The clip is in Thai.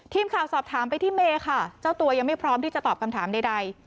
ทีมข่าวสอบถามไปที่เมย์ค่ะเจ้าตัวยังไม่พร้อมที่จะตอบคำถามใด